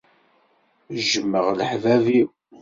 Jjmeɣ leḥbab-iw.